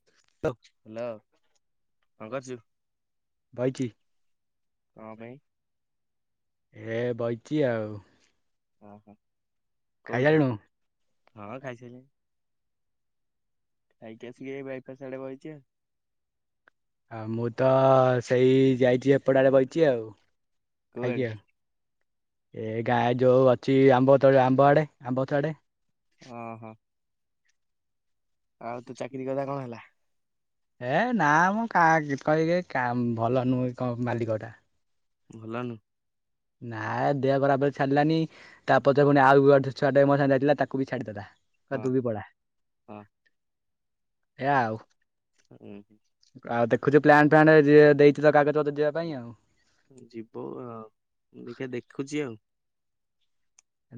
[unintelligible] Hello କଣ କରୁଛୁ? କଇଚି? କଣ ପାଇଁ ଏ ବଇଚି ଆଉ। ଓହୋ। କୋଉଠି? ଖାଇସାରିଲୁଣୁ? ହଁ ଖାଇସାଇଲିଣି। ଖାଇକି ଆସିକି ଏଇ ବାଇପାସ୍ ଆଡେ ବଇଚି ବଇଛି ଆଉ। ଆଉ ମୁଁ ତ ସେଇ ଯାଇଚି ଏପଟ ଆଡେ ବଇଚି ଆଉ। କୁଆଡେ [unintelligible] ଏ ଗାଁ ଯୋଉ ଅଛି ଆମ୍ବ ତ ଆମ୍ବ ଆଡେ ଆମ୍ବ ଗଛ ଆଡେ। ଓ ହୋ। ଆଉ ତୋ ଚାକିରି କଥା କଣ ହେଲା‌? ହେ ନା ମୁଁ କା କହିିଏ କା ଭଲ ନୁହେଁ କ ମାଲିକଟା। ଭଲନୁ। ନା ଦେହ ଖରାପରେ ଛାଡିଲାନି ତାପଛରେ ପୁଣି ଆଉ ଗେଟେ ଛୁଆ ଟେ ମୋ ସାଙ୍ଗେରେ ଯାଇଥିଲା ତାକୁ ବି ଛାଡ଼ିଦେଲା। କଲା ହଁ ତୁ ବି ପଳା ହଁ ଏଆ ଆଉ‌‌। ଉଁ ଆଉ ଦେଖୁଚୁ ପ୍ଲାଣ୍ଟ ଫ୍ଲାଣ୍ଟ ଯିଏ ଦେଇଚି ତ କାଗଜ ପତ ଯିବା ପାଇଁ ଆଉ। ଯିବୁ ଆଉ ମୁ ଦେଖିଆ ଦେଖୁଚି ଆଉ।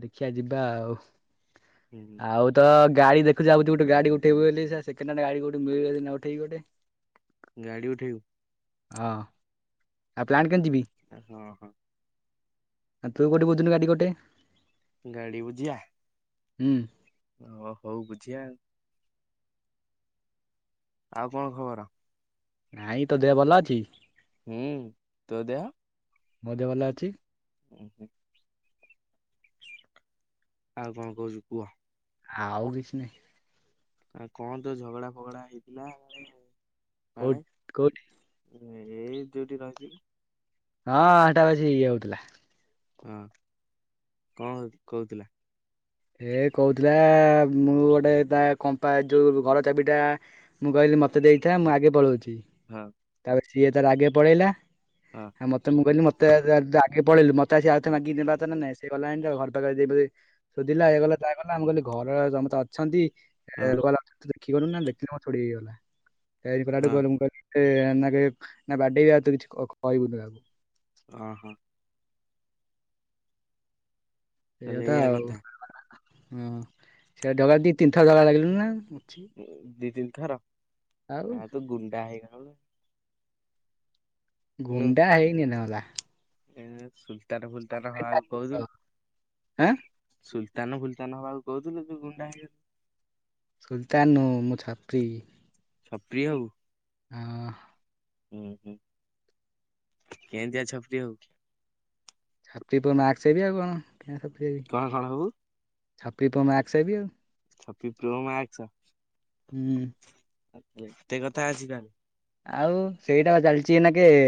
ଦେଖିଆ ଯିବା ଆଉ‌। ହୁଁ। ଆଉ ତ ଗାଡି ଦେଖୁଚି ଭାଉଚି ଗୋଟେ ଗାଡି ଉଠେଇବି ବୋଲି ସ ସେସେଣ୍ଡ ହ୍ୟାଣ୍ଡ ଗାଡି କୋଉଠି ମିଳିଲେ ସିନା ଉଠେଇବି ଗୋଟେ। ଗାଡି ଉଠେଇବୁ? ହଁ। ଆଉ ପ୍ଲାଣ୍ଟ କେମିତି ଯିବି‌? ହଁ ହଁ ଆ ତୁ କୋଉଠି ବୁଝୁନୁ ଗାଡି ଗୋଟେ। ଗାଡି ବୁଝିଆ ହୁଁ। ଓ ହଉ ବୁଝିଆ ଉ। ଆଉ କଣ ଖବର? ନାଇଁ ତୋ ଦେହ ଭଲ ଅଛି? ହୁଁ। ତୋ ଦେହ‌? ମୋ ଦେହ ଭଲ ଅଛି। ଉଁ ହୁଁ। ଆଉ କଣ କହୁଛୁ କୁହ। ଆଉ କିଛି ନାହିଁ। ଆ କଣ ତୋ ଝଗଡା ଫଗଡା ହେଇଥିଲା ହାଡ଼େ? କୋଉଠି କୋଉଠି ଏଇ ଯୋଉଠି ରହିଚି ହଁ ହଟା ହୋଉଚି ଇଏ ହଉଥିଲା। ହଁ କଣ କହୁଥିଲା? ଏ କହୁଥିଲା ମୁଁ ଗୋଟେ ତା କମ୍ପା ଯୋଉ ଘର ଚାବିଟା ମୁଁ କହିଲି ହଁ ମତେ ଦେଇଥା ମୁଁ ଆଗେ ପଳଉଚି। ତାପରେ ସିଏ ତାର ଆଗେ ପଳେଇଲା ହଁ ଆ ମତେ ମୁଁ କହିଲି ମତେ ଆଗେ ପଳେଇଲୁ ମତେ ଆସିକି ଆଉଥରେ ମାଗିକି ନେବା କଥା ନା ନାଇ? ସେଥିପାଇଁ ତ ଘର ପାଖରେ ଆସିକି ଦୋଇ ଶୋଧିଲା ଏଇକଲା ତାହାକଲା ମୁ କାହିଲି ଘରେ ସମସ୍ତେ ଅ ଛନ୍ତି ହଁ ହେଟୁ କହିଲ ଦେଖି ପାରୁନୁନା ଦେଖିଲେ ମୋର! ! ! ! ! ! ! ! ! ! ହେଇଗଲା। ହଁ ସେ ଏନା କେହି ବାଢ଼େଇବେ ଆଉ ତୁ କିଛି କ କହିବୁନୁ ଆଉ। ଅଁ ହଁ। ଏଇ ତାହେଲେ କଥା ଏଇଆ ଆଉ ହୁଁ। [unintelligible] ଦି ତିନି ଥର ଝଗଡା ଲାଗିଲୁଣୁ ନା। ଆଉ ହା ତୁ ଗୁଣ୍ଡା ହେଇଗଲୁଣୁ। ଗୁଣ୍ଡା ହେଇନି [unintelligible] ଏନା ସୁଲତାନ୍ ଫୁଲତାନ୍ ହବାକୁ ଆଁ କହୁଥିଲୁ। ସୁଲତାନ୍ ଫୁଲତାନ୍ ହବାକୁ କହୁଥିଲୁ ତୁ ଗୁଣ୍ଡା ହେଇଗଲୁ। ସୁଲତାନ୍ ନୁ ମୁଁ ଛାତ୍ରୀ ଛପ୍ରି ହଁ। ଉଁ ହୁଁ କେଁତିଆ ଛତ୍ରୀ ହବୁ? ଛାତ୍ରୀ ପୁଅ ମାକ୍ସ ହେବି ଆଉ କଣ? କଣ କଣ [unintelligible] ହବୁ ଛତ୍ରୀ ପୁଅ ମାସ୍କ ହେବି ଆଉ। ଛତ୍ରୀ ପୁଅ ମାକ୍ସ। ହୁଁ। ଏତେ କଥା ଅଛି ତାହେଲେ? ଆଉ ସେଇଟା ପା ଚାଲିଛି ଏନାକେ ଏ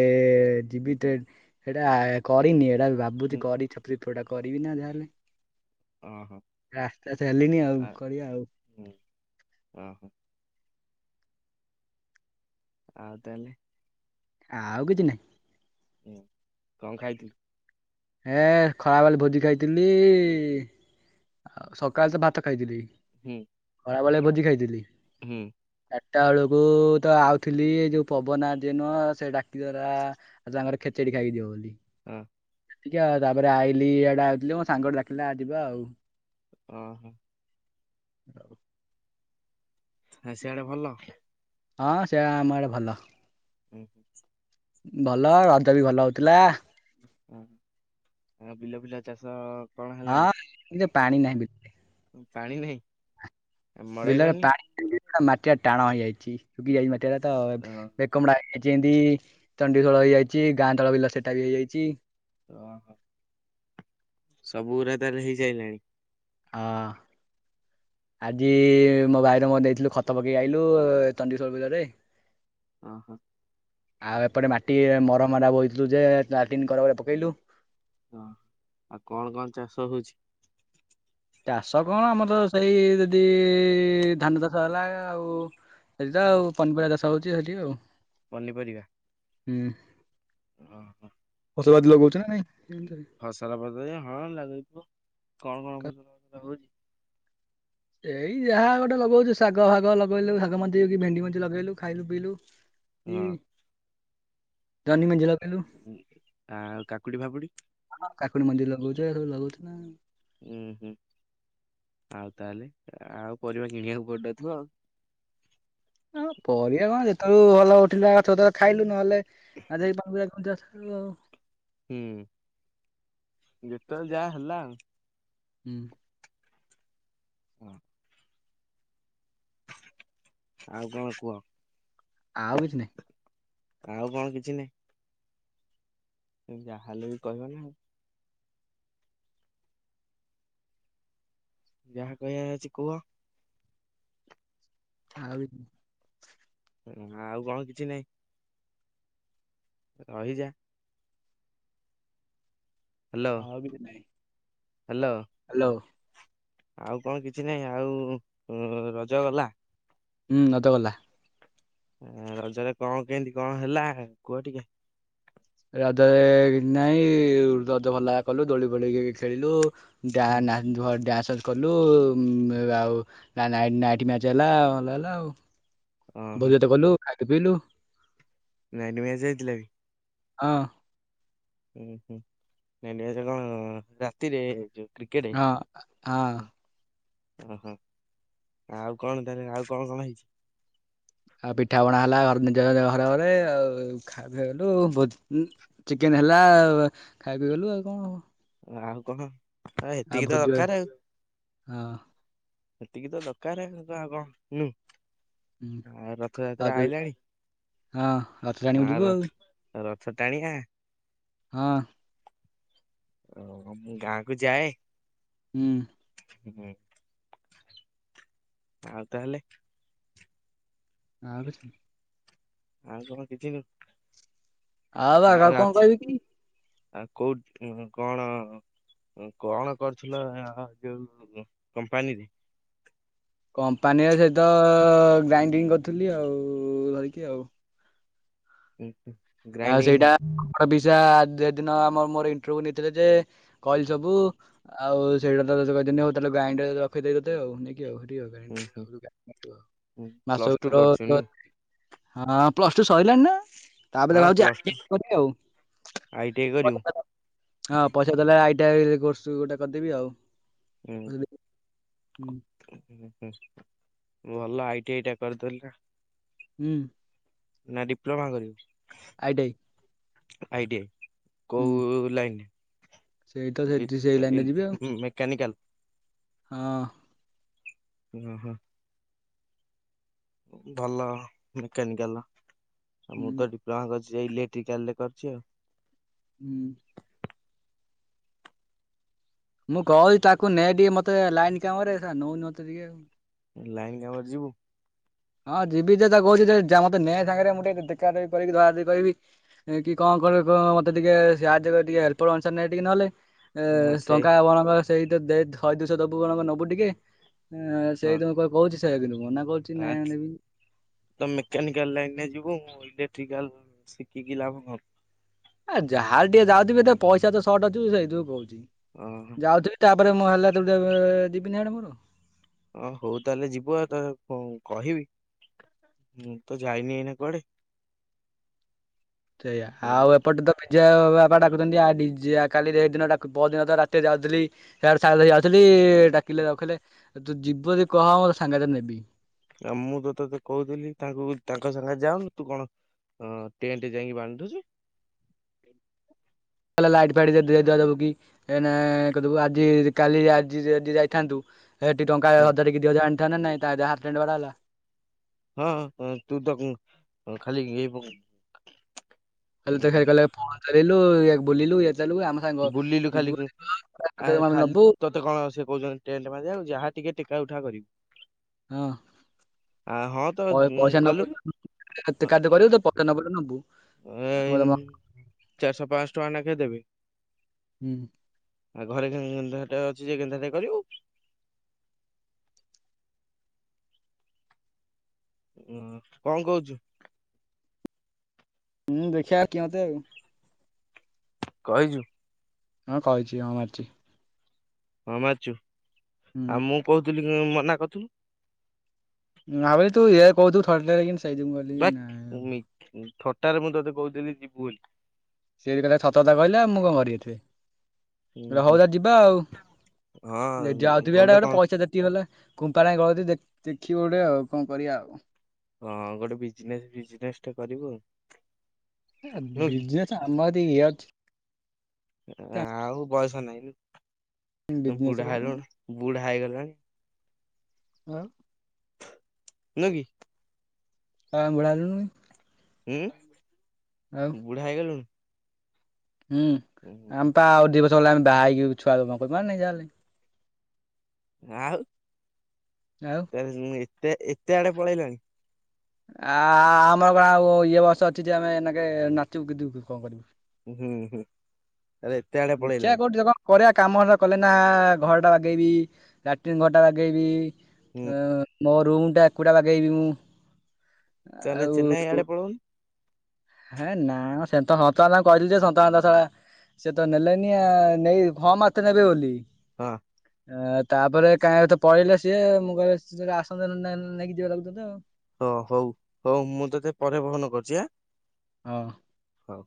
ଯିବି ଟେ ସେଇଟା କରିନି ଏଇଟା ବି ହୁଁ ଭାବୁଛି କରିଛପି ଟା କରିବି ନା ଯାହାହେଲେ। ଓହୋ। ରାସ୍ତା ଚାଲିନି ଆଉ ଆ କରିବା ଆଉ। ହୁଁ ଓହୋ। ଆଉ ତାହେଲେ? ଆଉ କିଛି ନାହିଁ। ହୁଁ। ହେ ଖରା ବେଳେ ଭୋଜି ଖାଇଥିଲି। ଆଉ ସକାଳେ ତ ଭାତ ଖାଇଥିଲି, ହୁଁ ଖରାବେଳେ ଭୋଜି ଖାଇଥିଲି। ହୁଁ ଚାରିଟା ବେଳକୁ ତ ଆଉଥିଲି ଯୋଉ ପବନା ଯେ ନୁହ ସେ ଡାକିଦେଲା ଆଜି ତାଙ୍କ ଘରେ ଖେଚେଡ଼ି ଖାଇକି ଯିବୁ ବୋଲି। ହଁ। ଏତିକି ଆଉ ତା ପରେ ଆଇଲି ଆଡେ ଆଉଥିଲି ମୋ ସାଙ୍ଗ ଟେ ଡାକିଲା ଆ ଯିବା ଆଉ। ଓହୋ। ଆ ସିଆଡେ ଭଲ? ହଁ ସେଆ ଆମ ଆଡେ ଭଲ। ହୁଁ ହୁଁ। ଭଲ ରଜ ବି ଭଲ ହଉଥିଲା। ଅହ ଆଉ ବିଲ ପିଲ ଚାଷ କଣ ହଁ ହେଲାଣି କିନ୍ତୁ ପାଣି ନାହିଁ ବିଲରେ ପାଣି ନାହିଁ? ଆ ବିଲରେ ମଡେଇଲନି ପାଣି ନାହିଯେ ତା ମାଟି ରା ଟାଣ ହେଇଯାଇଛି ଶୁଖି ଯାଇଛି ମାଟି ରା ଓହୋ ତ କମୁଡ଼ା ହେଇଯାଇଛି ଏନ୍ତି ଚଣ୍ଡୀ ଖୋଳ ହେଇଯାଇଛି, ଗାଁ ତଳ ବିଲ ସେଟା ହେଇଯାଇଛି। ଓହୋ ସବୁ ଉରା ତାହେଲେ ହେଇସାଇଲାଣି? ହଁ ଆଜି ମୋ ଭାଇର ମୋର ନେଇଥିଲୁ ଖ ତ ପକେଇ ଆଇଲୁ ତଣ୍ଡି ସ୍ୱର ବିଲରେ। ଓ ହୋ। ଆଉ ଏପଟେ ମାଟି ମରମ୍ ରା ବହିଁଥିଲୁ ଯେ ଲାଟିନ୍ କରେ ଗୁରେ ପକେଇଲୁ। ହଁ ଆଉ କଣ କଣ ଚାଷ ହୋଉଛି? ତାଷ କଣ ଆମର ସେଇ ଯଦି ଇ ଧାନ ଚାଷ ହେଲା ଆଉ। ସେଠି ତ ଆଉ ପନିପରିବା ଚାଷ ହଉଛି ସେଠି ଆଉ। ପନିପରିବା। ହୁଁ ଓହୋ ଫସଲବାଦୀ ସବୁ ହଉଛି ନା ନାଇଁ? ଫସଲ ପତରେ ହଁ ଲାଗେଇଥୁ, କଣ କଣ ଫସଲ ଲାଗୁଛି? ଏଇ ଯାହା ଗୋଟେ ଲଗଉଛୁ ଶାଗ ଫାଗ ଲଗେଇଲୁ ଶାଗ ମଞ୍ଜି ହେକି ଭେଣ୍ଡି ମଞ୍ଜି ଲଗେଇଲୁ ଖାଇଲୁ ପିଇଲୁ। କି ହଁ ଜହ୍ନି ମଞ୍ଜି ଲଗେଇଲୁ ଆଉ କାକୁଡି ଫାକୁଡି? କାକୁଡି ମଞ୍ଜି ଲଗାଉଛୁ ଏ ରା ସବୁ ଲଗଉଛୁ ନା। ଉଁ ହୁଁ। ଆଉ ତାହେଲେ ଆଉ ପରିବା କିଣିବାକୁ ପଡିନଥିବ ଆଉ। ହଁ ପରିବା ଏ କଣ ଯେତେବେଳୁ ଭଲ ଉଠିଲା ଗଛ ଖାଇଲୁ ନହେଲେ [unintelligible] ଆଉ। ହୁଁ, ଯେତେବେଳେ ଯାହା ହେଲା ଆଉ। ହୁଁ। କଣ? ଆଉ କଣ କୁହ? ଆଉକିଛି ନାଇଁ। ଆଉ କଣ କିଛି ନାଇଁ? ଯାହ ହେଲେ ବି କହିବ ନା ଆଉ। ଯାହା କହିବାର ଅଛି କୁହ? ଆଉ କିଛି ନାଇ। ହ ଆଉ କଣ କିଛି ନାଇଁ? ରହିଯା। Hello [unintelligible] hello hello hello. ଆଉ କଣ କିଛି ନାହିଁ ଆଉ ରଜ ଗଲା। ହୁଁ ନତ ଗଲା। ରଜରେ କଣ କେମିତି କଣ ହେଲା କୁହ ଟିକେ। ରଦରେ ନାଇଁ ରଦ ଭଲା କଲୁ ଦୋଳି ଫୋଳି ଖେଳିଲୁ। ହୁଁ, [unintelligible] କଲୁ ଆ ଆଉ ନା ନାଇଟ୍ ମ୍ୟାଚ୍ ହେଲା ଭଲ ହେଲା ଆଉ। ଓହୋ ଭୋଜି ଭାତ କଲୁ ଖାଇ କି ପିଇଲୁ। ନାଇଟ୍ ମ୍ୟାଚ ହେଇଥିଲା ବି। ହଁ। ହୁଁ ହୁଁ ନାଇଟ୍ ମ୍ୟାଚ୍ କଣ ରାତିରେ ଯୋ କ୍ରିକେଟେ। ହଁ ହଁ ଓହୋ! ଆଉ କଣ ତାହେଲେ ଆଉ କଣ କଣ ହେଇଚି। ଆଉ ପିଠାପଣା ହେଲା ଘର୍ ନିଜ ଘରେ ଘରେ ଆଉ। ସେଇଠୁ ଗଲୁ ଭୋ ଚିକେନ୍ ହେଲା ଆଉ ଖାଇକି ଗଲୁ ଆଉ କଣ ହବ। ଆଉ କଣ। ଆ, ଆଉ ଏତିକି ତ ଭୋଜି ଭା ଦରକାର ହଁ। ସେତିକି ତ ଦକାରେ ଆଉ କଣ ନୁଁ। ହୁଁ। ଆ ଆଉ ରଥଯାତ୍ରା ଯଦି- ଆଇଲାଣି ହଁ ରଥ ଟାଣିକୁ ଆ ଯିବୁ ଆଉ ରଥ ରଥ ଟାଣିବା। ହଁ। ଓ ମୁଁ ଗାଁ କୁ ଯାଏ। ହୁଁ। ହୁଁ, ଆଉ ତାହେଲେ। ଆଉ କିଛ୍ ଆଉ କଣ କିଛିନୁଏଁ ବା ଆଉ କଣ ଅଛ୍ କହିବି କି ଆଉ କୋଉଠ କଣ। କଣ କରୁଥିଲ ଯୋଉ କମ୍ପାନୀରେ। କମ୍ପାନୀର ସହିତ ଗ୍ରାଇଡିଙ୍ଗ କରିଥିଲି ଆଉ ଧରିକି ଆଉ। [inaudible] ଆଉ ସେଇଟା ଖାଲି [unintelligible] ଦିନ ଆମ ମୋର ଇଣ୍ଟର୍ ଭିଉ ନେଇଥିଲେ ଯେ କଇଲି ସବୁ ଆଉ ସେଇଟା [unintelligible] ଦିନ ହଉ ତାହେଲେ ଗ୍ରାଇଣ୍ଡର ରଖିଦେତତେ ଆଉ। ଉଁ ହୁଁ ହୁଁ ପ୍ଲସ ଟୁ ମାସକୁତର। କରିଛୁ ନୁ ହଁ ପ୍ଲସ ଟୁ ସରିଲାଣି ନା। ତାପରେ ହଁ ଭାବଚି ପ୍ଲସ ଟୁ ଆ ଆଇ ଟି ଆଇ କରିବୁ? [unintelligible] ହଁ ପଇସା ଦେଲେ ଆଇଟି ଆଇ କର୍ସ ଗୋଟେ କରିଦେବି ଆଉ। ହୁଁ। ପଇସା ଦେଇ- ହୁଁ ହଁ ହୁଁ ଭଲ ଆଇଟି ଆଇଟା କରିଦେଲେ। ହୁଁ। ନା ଡିପ୍ଲୋମା କରିବୁ। IT I. ଆଇଟିଆଇ କୋଉ ଲାଇନ୍ ସେଇ ତ ସେ ଇ ସେଇ ଲାଇନରେ ଯିବି ଆଉ ଇ ମେକାନିକାଲ୍। ହଁ। ଉଁ ହୁଁ। ଭଲ ମେକାନିକାଲ ମୁଁ ହୁଁ ତ ଡି ପ୍ଲମା କର୍ଚି ଇଲେଟ୍ରିକାଲ ରେ କରିଚି ଆଉ। ହୁଁ। ମୁଁ କହୁଛି ତାକୁ ନେଇ ଟିକେ ମତେ ଲାଇନ କାମରେ ନଉନତେ ଟିକେ ଆଉ। ଲାଇନ୍ କମରେ ଯିବୁ? ହଁ ଯିବି ଯେ ତା କହୁଛି ମତେ ନେ ସାଙ୍ଗେରେ ମୁଁ ଟିକେ ଦେଖା ଦୁଖି କରିକି ଧରା ଧୁରି କରିବି। କି କଣ କରିବ ମତେ ଟିକେ ସାହାଯ୍ୟ ଟିକେ ହେଲ୍ପର୍ ଅନୁସାରେ ନେ ଟିକେ ନହେଲେ। ଏ ହଁ ସେଇ ଟଙ୍କା କଣ ସେଇ ଶହେ ଦୁଇଶହ ଦେବୁ କଣ ନେବୁ ଟିକେ ସେଇ ତଁ କ କହୁଛି ସେୟା କିତୁ ମନା କ ଆଁ ତମ ମେକାନିକାଲ୍ ଲାଇନ୍ ରେ ଯିବୁ ମୁଁ ଇଲେକ୍ଟ୍ରିକାଲ୍ ଶିଖିକି ଲାଭ କଁ? ଆ ଯାହାହେଲେ ଟିକେ ଯାଉଥିବି ତ ପଇସା ତ ସର୍ଟ୍ ଅଛି ସେଇଥୁରୁ କୋହୁଚି। ଓହୋ। ଯାଉଥିବି ତାପରେ ମୁଁ ହେଲା ତ ଟି ଯିବିନି ହିଆଡ଼େ ମୋର। ହଁ ହଉ ତାହେଲେ ଯିବୁ ଆଉ ତ କହିବିଁ ତ ଯାଇନି ଏଇନା କୁଆଡେ। ସେଇଆ ମୁଁ ଆଉ ବି- ଏପଟେ ତ ପିଜା ବାପା ଡାକୁଛନ୍ତି ଆ ଜିଆ କାଲି ଏ ହେଦିନ ପହଦିନ ତ ରାତିରେ ଯାଉଥିଲି। ସେ ସାଙ୍ଗ ଯାଉଥିଲି ଡାକିଲେ ରଖିଲେ ତୁ ଯିବୁ ଯଦି କହ ମୁଁ ସାଙ୍ଗରେ ନେବି। ଆଉ ମୁଁ ତତେ ତ କୋହୁଥିଲି ତାଙ୍କୁ ତାଙ୍କ ସାଙ୍ଗେ ଯାାଉନୁ ତୁ କଣ ହଁ ଟେଣ୍ଟ୍ ଯାଇଁକି ବାନ୍ଧୁଚୁ କ ଲାଇଟ୍ ଫାଇଟ୍ ଦ‌ ଦେଇ ଦୁଇ ଦଶଟି। ଏନା କଦେବୁ ଆଜି କାଲି ଆଜି ଯଦି ଯାଇଥାନ୍ତୁ। ହେଠି ଟା ହୁଁ ହଜରେ କିି ହଜ ଆଣିଥା ନା ନାଇଁ ଯାହାର୍ ଟେଣ୍ଡ୍ ବାଡା ହେଲା। ହଁ ହଁ ହଁ ତୁ ତ ଖାଲି ଇଏ ଖାଲିତ କଲେ ଫୋନ୍ ଚଲେଇଲୁ ବୁଲିଲୁ ଇଏ ଚାଲୁ ଆନା ବୁଲିଲୁ ଖାଲି ଆ ଆମେ ଖାଲି ନବୁ ତ ତ କଣ ସେ କୋହୁଚନ୍ତି ଟେଣ୍ଟ୍ ବାନ୍ଧିବାକୁ ଯାହା ଟିକେ ଟେକା ଉଠା କରିବି। ହଁ ଆ ହଁ ତ ପ ପଇସା ଗଲୁନୁ? ତା ନ‌ ବଲ ନୋବୁ। ଏ ଚାରିଶହ ପାଂଶ ଟଙ୍କା ନାଖେ ଦେବି। ହୁଁ। ଆଉ ଘରେ କଁ ଗେନ୍ଧା ଟା ଅଛି ଯେ ଗେନ୍ଧା ଟେ କରିବୁ। ହଁ କଁ କୋହୁଚୁ? ହୁଁ ଦେଖଆ କିଏ ମତେ ଆଉ। କହିଚୁ। ହଁ କହିଚି ହଁ ମାରିଚି। ହଁ ମାାରିଚୁ ହୁଁ ଆଉ ମୁଁ କୋହୁଥିଲି କି ମନା କଥୁଲୁ। ନାଁ ତୁ ଏଇଆ କୋହୁଥୁବୁ ଥଟାରେ କିନି ସାଇଜି ଭାକ୍ ମି ଥଟାରେ ମୁଁ ତୋତେ କୋହୁଥିଲି ଯିବୁ ବୋଲି। ସେଏବି କଇଲା ଛତା ଛତା କହିଲା ଆ ମୁଁ କଁ କରିବି ଏଥିରେ? ଉଁ ର ହୋଉ ହୁଁ ତା ଯିବା ଆଉ ହଁ ଯାଉଥିବି ଇଆଡେ ଗଲେ ଇଆଡେ କଣ ପଇସା ଯେତିିକି ହେଲାଲା କୁମ୍ପାଳ ହାଇ ଗଳତି ଦେ ଦେଖିବି ଗୋଟେ ଆଉ କଁ କରିବା ଆଉ। ହଁ ଗୋଟେ ବିଜ୍ନେସ୍ ବିଜ୍ନେସ୍ ଟେ କରିବୁ ଆଉ। ନୁହେଁ କି ବିଜନେସ୍ ଆମରି ଇଏ ଅଛି। ଆଉ ବୟସ ନାଇଁ, ବିଜନେସ୍ ବୁଢା କରିବୁନି ହେଲୁଣୁ, ବୁଢା ହେଇଗଲୁଣି। ଆଁ। ନୁଁ କି। ହଁ ବଢିଆ ନୁ ନୁଇ ହୁଁ ଆଉ ବୁଢା ହେଇଗଲୁଣି? ହୁଁ ଉହୁଁ ଆମ ପା ଆଉ ଦି ବର୍ଷ ଗଲା ଆମେ ବାହା ହେଇକି ଛୁଆ ଜନ୍ମ କରିବୁ ନା ନାଇଁ ଯାହେଲେ। ଆଉ। ଆଉ ତା ମୁଁ ଏତେ ଏତେ ଆଡ଼େ ପଳେଇଲଣି? ଆ ଆଁ ଆ ଆମର ଗା ଇଏ ବର୍ଷ ଅଛି ଯେ ଏମେକେ ନାଚିବୁ କିୁଦିବୁ କି କଁ କରିବୁ। ଉଁ ହୁଁ ଉଁ ହୁଁ ଆରେ [unintelligible] କରିବା କାମା ହରାକଲେନା ଘରଟା ବାଗେଇବି ଲାଟ୍ରିନ୍ ଘରଟା ବାଗେଇବି ହୁଁ ଅଁ ମୋ ରୁମ୍ ଟା ଏକୁଟିଆ ବାଗେଇବିମୁଁ। ତାହାଲେ ଚେନାଇ ଆଡ଼େ ପଳଉନୁ। ହେଁ ନା ସେତ ସନ୍ତଦାଦାଙ୍କୁ କହିଲିଯେ ସନ୍ତଦାଦା ସଳା ସେତ ନେଲେନି ଆଉ ନେଇ ହଁ ମାରିଥିଲେ ନେବେ ବୋଲି। ହଁ। ଆ ତାପରେ କାହିଁକତ ପଳେଇଲେ ସିଏ ମୁଁ କହିଲେ ସିଏ ଆସନ୍ତୁ ନହେଲେ ନେ ନେଇକି ଯିବେ ଲାଗୁଚି ମତେ। ହଁ ହଉ ହଉ ମୁଁ ତୋତେ ପରେ ଫୋନ୍ କରୁଚି ଆ? ହଁ। ହଉ।